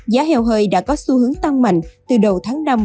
giá heo hơi đã có xu hướng tăng mạnh từ đầu tháng năm